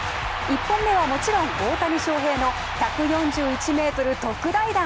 １本目は、もちろん大谷翔平の１４１ｍ特大弾。